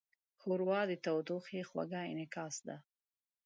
ښوروا د تودوخې خوږه انعکاس ده.